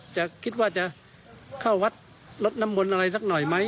จะคิดว่าจะเข้าวัดลดน้ำมนต์อะไรสักหน่อยไหม